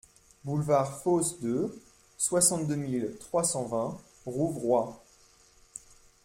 Boulevard Fosse deux, soixante-deux mille trois cent vingt Rouvroy